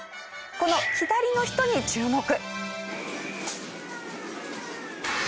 この左の人に注目。